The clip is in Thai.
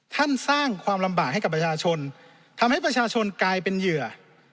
สร้างความลำบากให้กับประชาชนทำให้ประชาชนกลายเป็นเหยื่อ